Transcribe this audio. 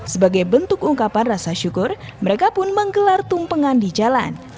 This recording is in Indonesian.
sebagai bentuk ungkapan rasa syukur mereka pun menggelar tumpengan di jalan